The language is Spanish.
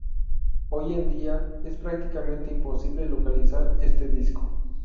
Hoy en día es prácticamente imposible localizar este disco.